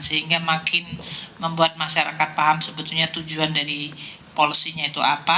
sehingga makin membuat masyarakat paham sebetulnya tujuan dari policy nya itu apa